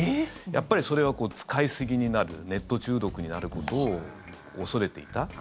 やっぱり、それは使いすぎになるネット中毒になることを恐れていた。